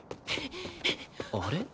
あれ？